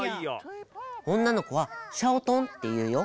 おんなのこは「シャオトン」っていうよ。